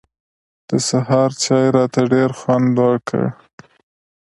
د سهار چای راته ډېر خوند وکړ.